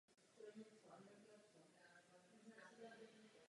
Pane předsedo, zajistěte, prosím, aby toto nemoudré rozhodnutí bylo zrušeno.